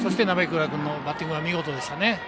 鍋倉君のバッティングは見事でしたね。